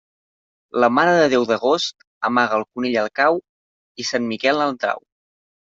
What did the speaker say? La Mare de Déu d'agost amaga el conill al cau i Sant Miquel l'en trau.